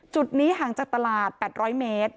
จุดนี้ห่างจากตลาด๘๐๐เมตร